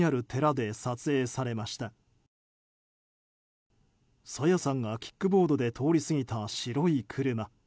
朝芽さんがキックボードで通り過ぎた白い車。